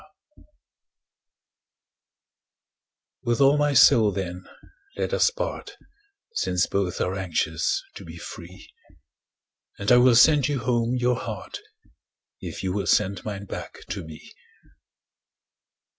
TO ....... With all my soul, then, let us part, Since both are anxious to be free; And I will sand you home your heart, If you will send mine back to me.